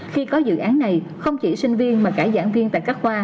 khi có dự án này không chỉ sinh viên mà cả giảng viên tại các khoa